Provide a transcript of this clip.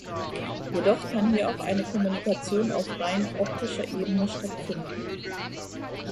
Jedoch kann hier auch eine Kommunikation auf rein optischer Ebene stattfinden.